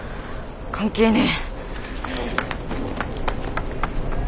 関係ねえ。